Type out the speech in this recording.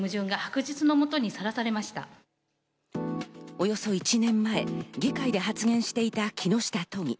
およそ１年前、議会で発言していた木下都議。